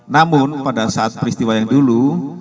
namun pada saat peristiwa yang dulu